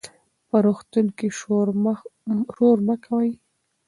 په روغتون کې شور مه کوئ.